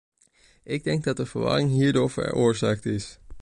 Ik denk dat de verwarring hierdoor veroorzaakt is.